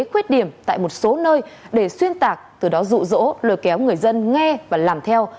khuyết điểm tại một số nơi để xuyên tạc từ đó rụ rỗ lôi kéo người dân nghe và làm theo